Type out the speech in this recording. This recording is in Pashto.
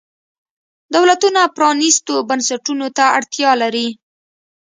دولتونه پرانیستو بنسټونو ته اړتیا لري.